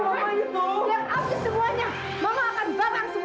kamu harus ngubahin perempuan itu